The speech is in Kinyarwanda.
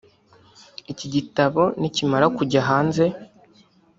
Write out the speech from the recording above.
Iki gitabo nikimara kujya hanze